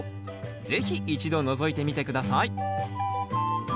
是非一度のぞいてみて下さい。